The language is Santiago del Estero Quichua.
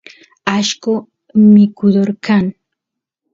allqo mikudor kan